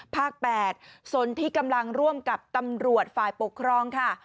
ภาค๘ส่วนที่กำลังร่วมกับตำรวจฝ่ายปกครองค่ะ